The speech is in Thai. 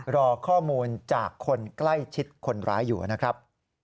รอข้อมูลจากคนใกล้ชิดคนร้ายอยู่นะครับ